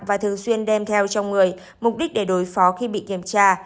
và thường xuyên đem theo trong người mục đích để đối phó khi bị kiểm tra